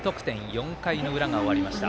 ４回の裏が終わりました。